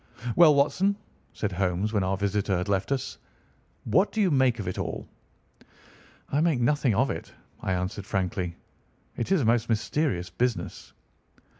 "Well, Watson," said Holmes when our visitor had left us, "what do you make of it all?" "I make nothing of it," I answered frankly. "It is a most mysterious business."